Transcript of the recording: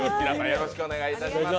よろしくお願いします。